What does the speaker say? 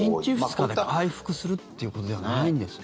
１日、２日で回復するということではないんですね。